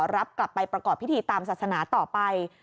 รับกลับไปประกอบพิธีตามศาสนาต่อไป